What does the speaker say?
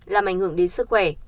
làm ảnh hưởng đến sức khỏe